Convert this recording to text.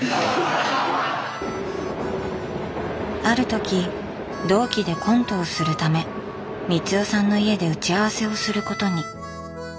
あるとき同期でコントをするため光代さんの家で打ち合わせをすることに。